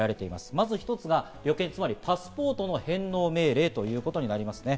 まず１つが旅券、つまりパスポートの返納命令ということになりますね。